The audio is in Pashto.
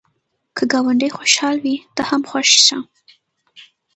که ګاونډی خوشحال وي، ته هم خوښ شه